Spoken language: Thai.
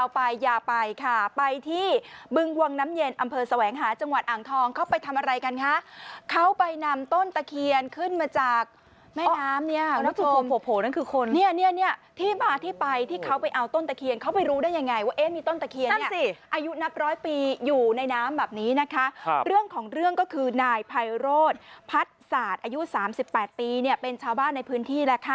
เป็นเลขไทยหรือเป็นเลขอาราบิต